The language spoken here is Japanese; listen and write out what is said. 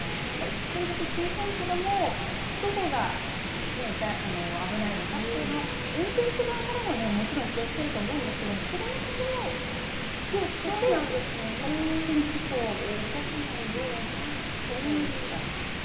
これだけ小さいけれどもどこが危ないのかっていうのは運転手側からも、もちろん気を付けると思うんですけど子どもたちも気を付けてお互いに事故を起こさないようなことをしたいですね。